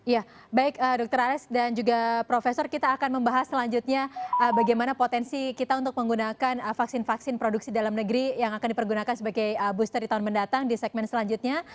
ya baik dr alex dan juga profesor kita akan membahas selanjutnya bagaimana potensi kita untuk menggunakan vaksin vaksin produksi dalam negeri yang akan dipergunakan sebagai booster di tahun mendatang di segmen selanjutnya